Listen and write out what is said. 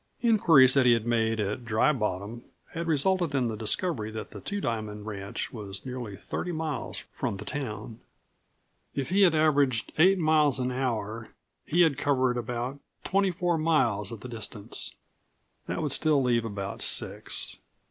Inquiries that he had made at Dry Bottom had resulted in the discovery that the Two Diamond ranch was nearly thirty miles from the town. If he had averaged eight miles an hour he had covered about twenty four miles of the distance. That would still leave about six.